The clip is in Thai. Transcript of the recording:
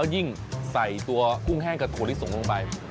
ยิ่งใส่ตัวกุ้งแห้งกับถั่วลิสงลงไป